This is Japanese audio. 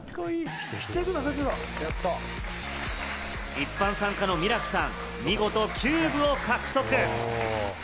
一般参加のミラクさん、見事キューブを獲得。